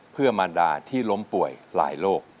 เพื่อมารดาที่ล้มป่วยหลายโรค